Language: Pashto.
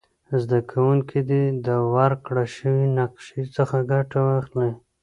زده کوونکي دې د ورکړ شوې نقشي څخه ګټه واخلي.